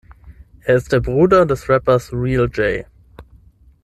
Er ist der Bruder des Rappers Real Jay.